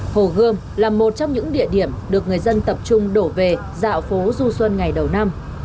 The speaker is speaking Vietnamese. hồ gươm là một trong những địa điểm được người dân tập trung đổ về dạo phố du xuân ngày đầu năm